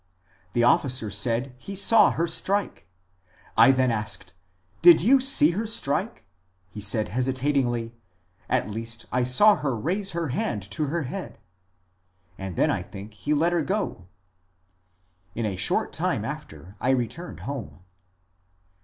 The officer said he saw her strike. I then asked, *• Did you see her strike ?' He said hesitatingly, ' At least I saw her raise her hand to her head,' — and then I think he let her go. In a short time after I returned home."